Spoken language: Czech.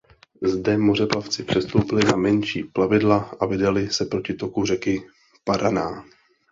Zde mořeplavci přestoupili na menší plavidla a vydali se proti toku řeky Paraná.